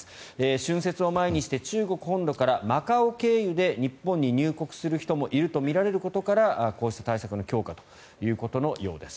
春節を前にして中国本土からマカオ経由で日本に入国する人もいるとみられることからこうした対策の強化ということのようです。